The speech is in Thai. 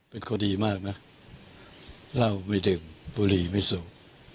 เป็นคนดีมากนะเหล้าไม่ดื่มบุหรี่ไม่สูบ